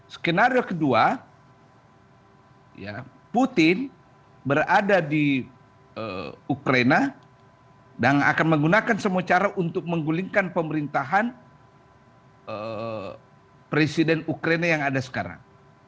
skenario kedua putin berada di ukraina dan akan menggunakan semua cara untuk menggulingkan pemerintahan presiden ukraina yang ada sekarang